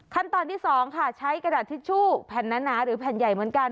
ขั้นตอนที่๒ค่ะใช้กระดาษทิชชู่แผ่นหนาหรือแผ่นใหญ่เหมือนกัน